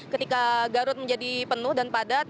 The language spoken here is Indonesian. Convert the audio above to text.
ketika garut menjadi penuh dan padat